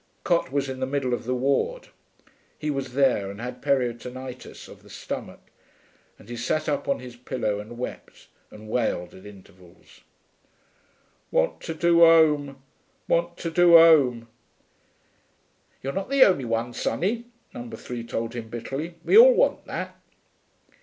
Cot was in the middle of the ward. He was three, and had peritonitis of the stomach, and he sat up on his pillow and wept, and wailed at intervals, 'Want to do 'ome. Want to do 'ome.' 'You're not the only one, sonny,' number three told him bitterly. 'We all want that.'